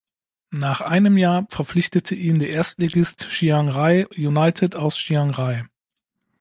Nach einem Jahr verpflichtete ihn der Erstligist Chiangrai United aus Chiangrai.